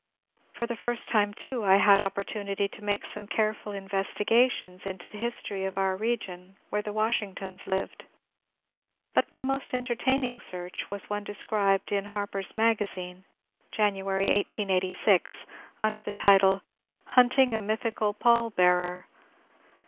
For the first time too I had opportunity to make some careful investigations into the history of our region, where the Washingtons lived. But my most entertaining search was one described in ^^ Harper's Maga zine," January, 1886, under the title, '^ Hunting a Mythical Pall bearer."